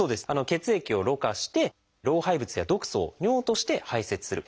血液をろ過して老廃物や毒素を尿として排泄する。